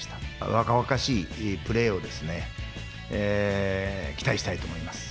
若々しいプレーを期待したいと思います。